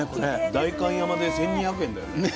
代官山で１，２００円だよね。